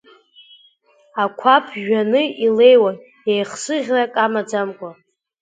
Ақәа ԥжәаны илеиуан, еихсыӷьрак амаӡамкәа.